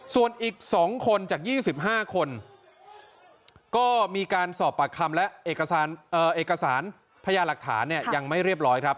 ส่วนอีก๒คนจาก๒๕คนก็มีการสอบปากคำและเอกสารพญาหลักฐานเนี่ยยังไม่เรียบร้อยครับ